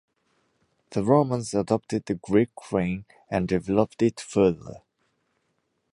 The Romans adopted the Greek crane and developed it further.